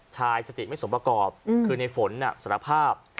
ชายสติไม่สมประกอบคือในฝนสารภาพ